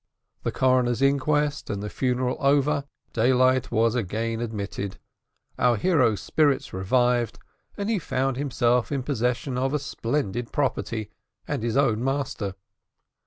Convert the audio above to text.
The coroner's inquest and the funeral over, daylight was again admitted, our hero's spirits revived, and he found himself in possession of a splendid property, and his own master.